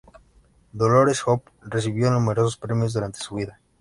Dolores Hope recibió numerosos premios durante su vida.